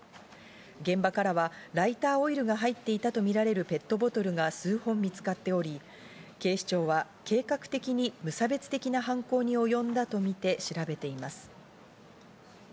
現場からはライターオイルが入っていたとみられるペットボトルが数本見つかっており、警視庁は計画的に無差別的な犯行におよんだとみて調べています。